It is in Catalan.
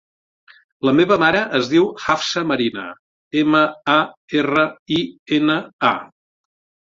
La meva mare es diu Hafsa Marina: ema, a, erra, i, ena, a.